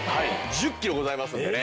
１０キロございますのでね。